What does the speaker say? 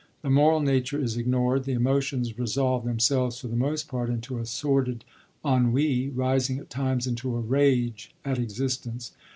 The moral nature is ignored, the emotions resolve themselves for the most part into a sordid ennui, rising at times into a rage at existence.